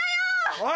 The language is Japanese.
おい！